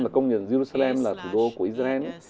là công nhận jerusalem là thủ đô của israel